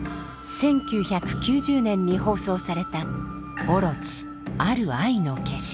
１９９０年に放送された「ＯＲＯＣＨＩ大蛇ある愛の化身」。